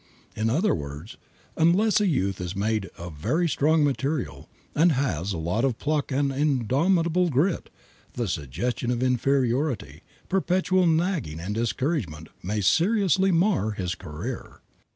In other words, unless a youth is made of very strong material and has a lot of pluck and indomitable grit, the suggestion of inferiority, perpetual nagging and discouragement may seriously mar his career.